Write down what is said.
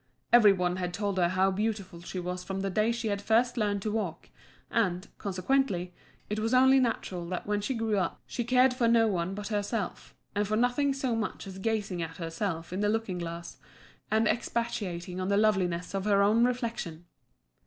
Every one had told her how beautiful she was from the day she had first learned to walk, and, consequently, it was only natural that when she grew up she cared for no one but herself, and for nothing so much as gazing at herself in the looking glass and expatiating on the loveliness of her own reflection.